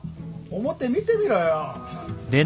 表見てみろよ。